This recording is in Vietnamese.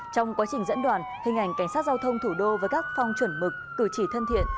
trong quá trình dẫn đoàn hình ảnh cảnh sát giao thông thủ đô với các phong chuẩn mực cử chỉ thân thiện